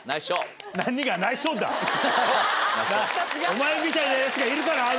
お前みたいなヤツがいるから。